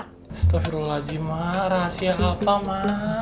astagfirullahaladzim ma rahasia apa ma